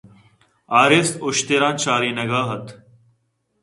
ھارس اشتراں چارینگ ءَ اَت۔